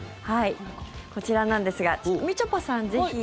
こちらなんですがみちょぱさん、ぜひ。